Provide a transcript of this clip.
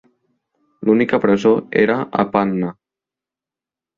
L'única presó era a Panna.